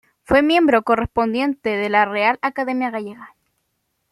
Fue miembro correspondiente de la Real Academia Gallega.